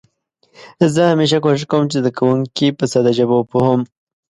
زه همېشه کوښښ کوم چې زده کونکي په ساده ژبه وپوهوم.